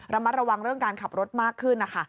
มัดเรื่องการขับรถมากขึ้นนะคะ